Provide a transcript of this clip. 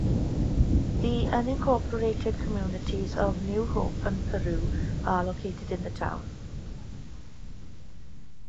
The unincorporated communities of New Hope and Peru are located in the town.